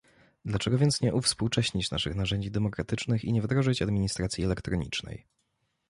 Dlaczego więc nie uwspółcześnić naszych narzędzi demokratycznych i nie wdrożyć administracji elektronicznej?